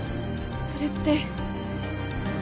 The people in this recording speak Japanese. それって。